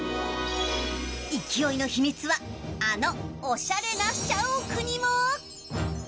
勢いの秘密はあの、おしゃれな社屋にも。